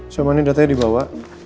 sama ini datanya dibawa